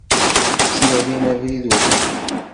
Ttnadin abrid ur t-ufin.